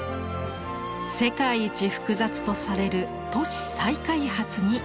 「世界一複雑とされる都市再開発」に挑む。